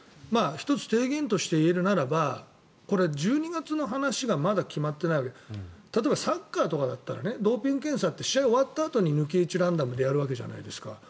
１つ、提言としていえるならばこれ、１２月の話がまだ決まってないわけで例えば、サッカーとかだったらドーピング検査って試合が終わったあとに抜き打ち、ランダムでやるわけじゃないですか。